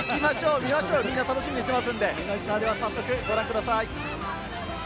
皆さん、楽しみにしていますので早速ご覧ください。